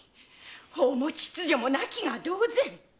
法も秩序も無きが同然！